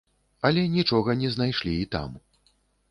Але нічога не знайшлі і там.